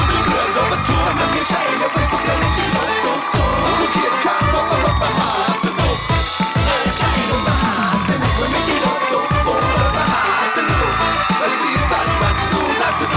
มันไม่ใช่รถตุ๊กรถมหาสนุก